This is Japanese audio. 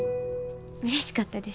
うれしかったです。